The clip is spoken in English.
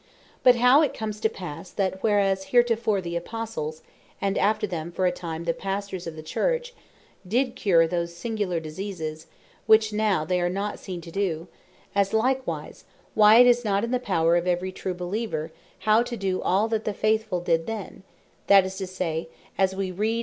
But how it comes to passe, that whereas heretofore the Apostles, and after them for a time, the Pastors of the Church, did cure those singular Diseases, which now they are not seen to doe; as likewise, why it is not in the power of every true Beleever now, to doe all that the Faithfull did then, that is to say, as we read (Mark 16.